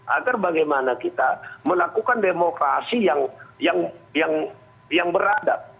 agar bagaimana kita melakukan demokrasi yang beradab